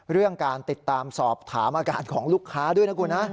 เรื่องการติดตามสอบถามอาการของลูกค้าด้วยนะคุณฮะ